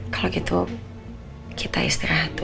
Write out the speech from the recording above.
kalau gitu kita istirahat dulu deh